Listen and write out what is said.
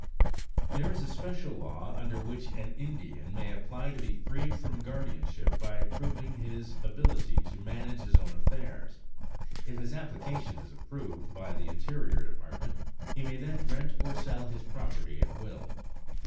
There is a special law under which an Indian may apply to be freed from guardianship by proving his ability to manage his own affairs. If his application is approved by the Interior Department, he may then rent or sell his property at will.